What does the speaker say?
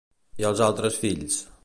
I els altres fills?